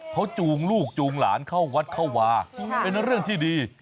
เขาจูงลูกจูงหลานเข้าวัดเข้าวาเป็นเรื่องที่ดี